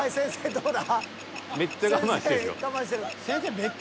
［どうだ？］